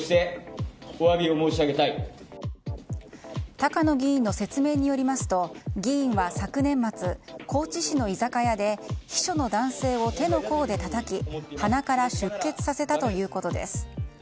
高野議員の説明によりますと議員は昨年末高知市の居酒屋で秘書の男性を手の甲でたたき鼻から出血させたということです。